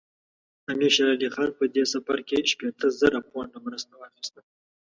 امیر شېر علي خان په دې سفر کې شپېته زره پونډه مرسته واخیسته.